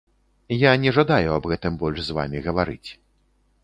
Я не жадаю аб гэтым больш з вамі гаварыць.